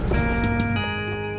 aku udah selesai